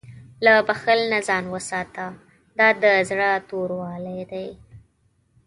له بخل نه ځان وساته، دا د زړه توروالی دی.